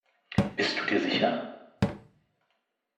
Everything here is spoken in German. Bist du dir sicher?